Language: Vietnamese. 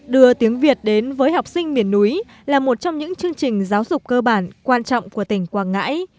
đưa tiếng việt đến với học sinh miền núi là một trong những chương trình giáo dục cơ bản quan trọng của tỉnh quảng ngãi